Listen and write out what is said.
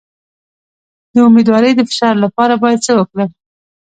د امیدوارۍ د فشار لپاره باید څه وکړم؟